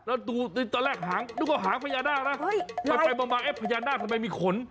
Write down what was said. แล้วดูตอนแรกหางดูก็หางพญานาธิ์ล่ะไปมาเอ๊ะพญานาธิ์ทำไมมีขน